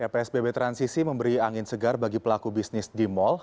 psbb transisi memberi angin segar bagi pelaku bisnis di mal